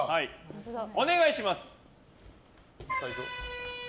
お願いします。